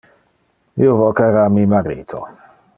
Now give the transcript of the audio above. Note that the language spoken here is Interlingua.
Io vocara mi marito.